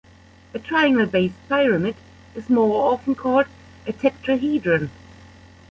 A triangle-based pyramid is more often called a tetrahedron.